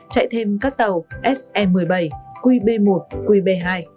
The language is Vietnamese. chạy thêm các tàu se một mươi bảy qb một qb hai